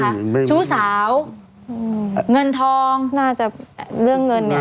ไม่มีไม่มีชู้สาวเงินทองน่าจะเรื่องเงินเนี้ย